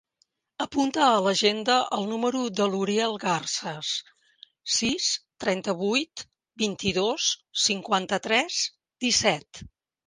Apunta a l'agenda el número de l'Uriel Garces: sis, trenta-vuit, vint-i-dos, cinquanta-tres, disset.